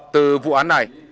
từ vụ án này